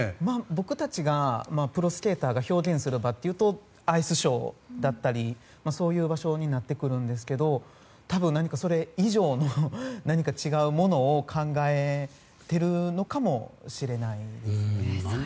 僕たちプロスケーターが表現する場というとアイスショーだったりそういう場所になってくるんですけど多分、それ以上の何か違うものを考えているのかもしれないですね。